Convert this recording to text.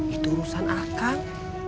itu urusan akang